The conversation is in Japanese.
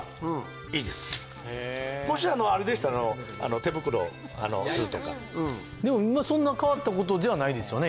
もしあれでしたら手袋するとかでもそんな変わったことではないですよね